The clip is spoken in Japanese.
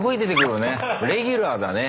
レギュラーだね。